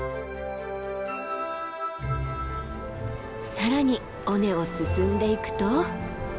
更に尾根を進んでいくと。